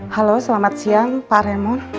halo selamat siang pak remo